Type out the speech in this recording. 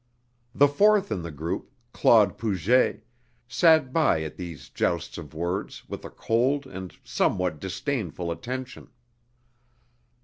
The fourth in the group, Claude Puget, sat by at these jousts of words with a cold and somewhat disdainful attention.